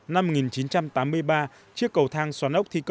năm một nghìn chín trăm tám mươi ba chiếc cầu thang xoắn ốc thiệt